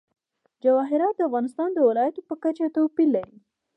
جواهرات د افغانستان د ولایاتو په کچه توپیر لري.